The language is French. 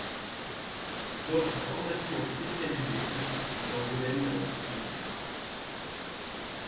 D'autres formations spécialisées existent dans le domaine de la distribution.